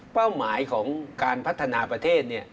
หมายของการพัฒนาประเทศ